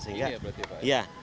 ini ya berarti pak